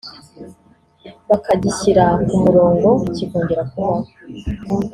bakagishyira ku murongo kikongera kubaho